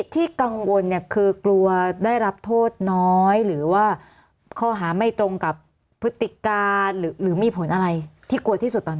ที่กังวลเนี่ยคือกลัวได้รับโทษน้อยหรือว่าข้อหาไม่ตรงกับพฤติการหรือมีผลอะไรที่กลัวที่สุดตอนนี้